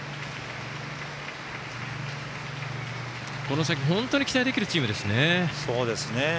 この先、本当に期待できるチームですね。